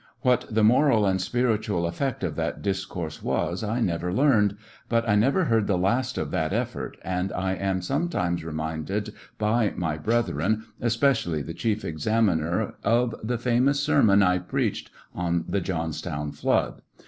What the moral and spir itual effect of that discourse was I never learned, but I never heard the last of that effort, and I am sometimes reminded by my brethren, especially the chief examiner, of the famous sermon I preached on the Johnstown flood!